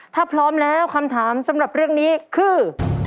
ถ้าพร้อมแล้วคำถามสำหรับเรื่องนี้คือ